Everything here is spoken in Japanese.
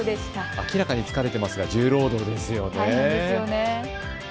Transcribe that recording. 明らかに疲れてますが重労働ですよね。